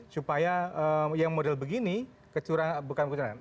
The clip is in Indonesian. supaya yang model begini kecurangan bukan kecurangan